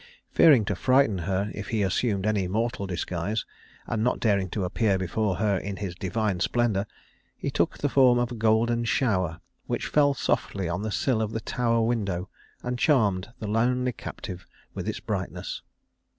Fearing to frighten her if he assumed any mortal disguise, and not daring to appear before her in his divine splendor, he took the form of a golden shower, which fell softly on the sill of the tower window and charmed the lonely captive with its brightness.